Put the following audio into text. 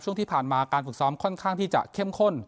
ช่วงที่ผ่านมาการฝึกซ้อมค่อนข้างที่จะเข้มข้น